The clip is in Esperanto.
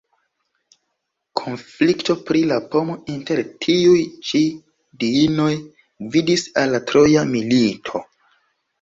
Konflikto pri la pomo inter tiuj ĉi diinoj gvidis al la Troja milito.